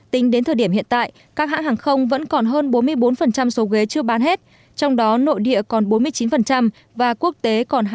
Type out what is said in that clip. tính đến thời điểm hiện tại các hãng hàng không vẫn còn hơn bốn mươi bốn số ghế chưa bán hết trong đó nội địa còn bốn mươi chín và quốc tế còn hai mươi